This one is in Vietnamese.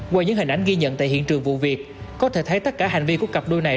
qua những hình ảnh ghi nhận tại hiện trường vụ việc có thể thấy tất cả hành vi của cặp đôi này